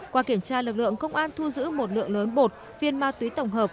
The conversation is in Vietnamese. qua kiểm tra lực lượng công an thu giữ một lượng lớn bột viên ma túy tổng hợp